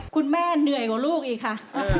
คุณแม่เหนื่อยกว่าลูกอีกค่ะ